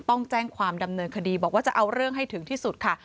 ต้องแจ้งความดำเนินคดีบอกว่าจะเอาเรื่องให้ถึงที่สุดค่ะ